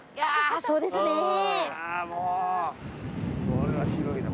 これは広いな。